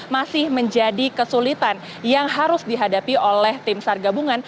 masih menjadi kesulitan yang harus dihadapi oleh timstar gabungan